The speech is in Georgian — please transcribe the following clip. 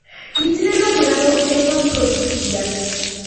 იძლევა მრავალფეროვან პროდუქციას.